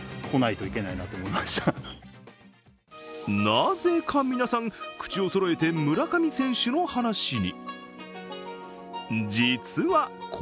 なぜか皆さん、口をそろえて村上選手の話に。